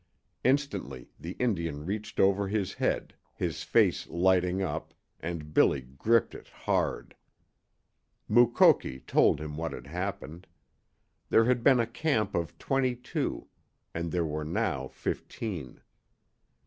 Instantly the Indian reached over his hand, his face lighting up, and Billy gripped it hard. Mukoki told him what had happened. There had been a camp of twenty two, and there were now fifteen.